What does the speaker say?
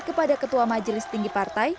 kepada ketua majelis tinggi partai